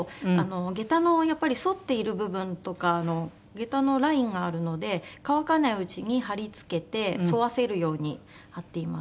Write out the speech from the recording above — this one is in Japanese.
下駄のやっぱり反っている部分とか下駄のラインがあるので乾かないうちに貼り付けて沿わせるように貼っています。